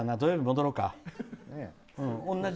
土曜日戻ろうか。